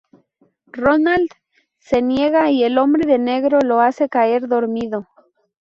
Roland se niega, y el hombre de negro lo hace caer dormido.